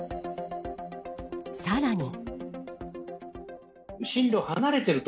さらに。